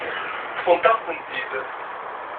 Ṭṭfent-aɣ-tent-id.